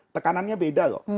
tekanannya beda loh